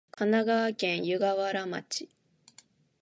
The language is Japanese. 神奈川県湯河原町